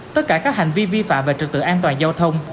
tất cả các hành vi vi phạm về trực tự an toàn giao thông